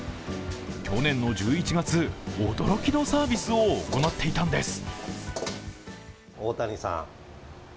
去年の１１月、驚きのサービスを行っていたんです。